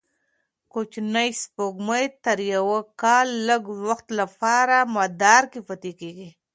کوچنۍ سپوږمۍ تر یوه کال لږ وخت لپاره مدار کې پاتې کېږي.